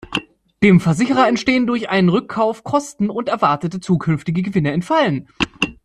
Dem Versicherer entstehen durch einen Rückkauf Kosten und erwartete zukünftige Gewinne entfallen.